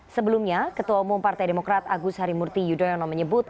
sebelumnya ketua umum partai demokrat agus harimurti yudhoyono menyebut